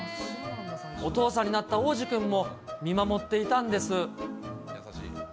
お父さんになった王子くんも見守っていたんです。